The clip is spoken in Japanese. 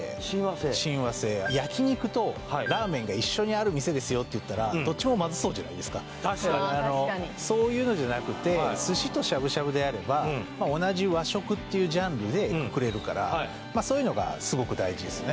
親和性焼肉とラーメンが一緒にある店ですよっていったら確かにそういうのじゃなくて寿司としゃぶしゃぶであれば同じ和食っていうジャンルでくくれるからまあそういうのがスゴく大事ですね